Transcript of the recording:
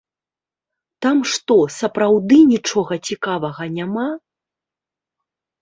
Там што, сапраўды нічога цікавага няма?